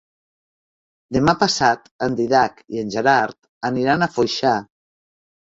Demà passat en Dídac i en Gerard aniran a Foixà.